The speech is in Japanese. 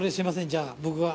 じゃあ僕が。